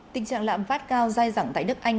tình trạng lạm phát cao dai dẳng tại nước anh